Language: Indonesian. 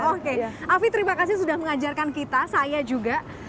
oke afi terima kasih sudah mengajarkan kita saya juga